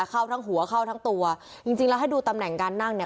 เข้าทั้งหัวเข้าทั้งตัวจริงจริงแล้วให้ดูตำแหน่งการนั่งเนี่ย